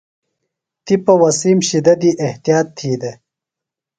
تِپہ وسیم شِدہ دی احتیاط تھی دےۡ۔